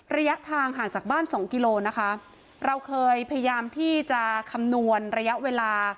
ระยะทางห่างจากบ้านสองกิโลนะคะเราเคยพยายามที่จะคำนวณระยะเวลา